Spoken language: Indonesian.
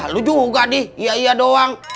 lu juga nih iya iya doang